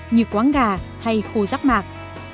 như quáng gà hay khô rắc mạc